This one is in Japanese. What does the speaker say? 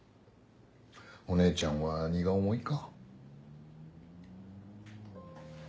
お姉ちゃんは荷が重いか。